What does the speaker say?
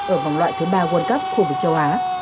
ở vòng loại thứ ba world cup khu vực châu á